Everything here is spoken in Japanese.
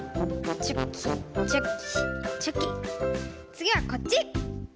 つぎはこっち！